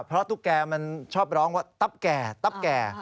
เพราะตุ๊กแกมันชอบร้องว่าตับแก